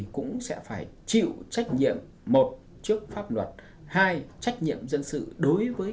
mầm non thì cũng sẽ phải chịu trách nhiệm một trước pháp luật hai trách nhiệm dân sự đối với